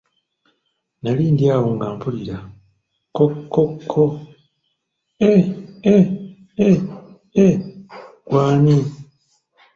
Nali ndi awo nga mpulira, kko kko kko, eeee ggwe ani?